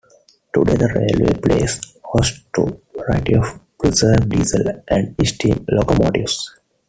Today the railway plays host to a variety of preserved diesel and steam locomotives.